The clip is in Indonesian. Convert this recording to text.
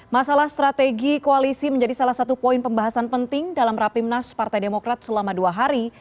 masalah strategi koalisi menjadi salah satu poin pembahasan penting dalam rapimnas partai demokrat selama dua hari